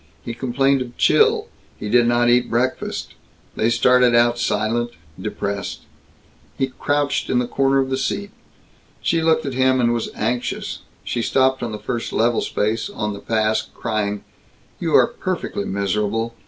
He complained of chill. He did not eat breakfast. They started out silent, depressed. He crouched in the corner of the seat. She looked at him and was anxious. She stopped on the first level space on the pass, crying, "You are perfectly miserable.